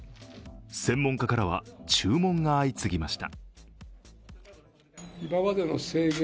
専門家からは注文が相次ぎました。